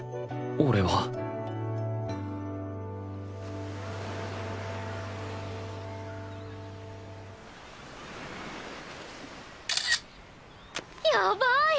俺はやばーい！